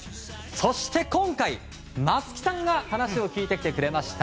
そして今回、松木さんが話を聞いてきてくれました。